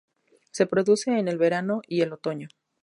Se produce en el verano y el otoño.